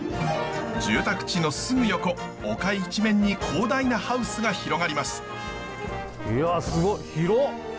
住宅地のすぐ横丘一面に広大なハウスが広がります。